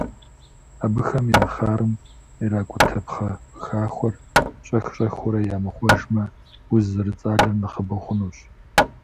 Абыхэм я хъарым иракӏутэ пхъэ пыхахуэр щӏэх-щӏэхыурэ ямыхъуэжмэ, уз зэрыцӏалэр нэхъыбэ хъунущ.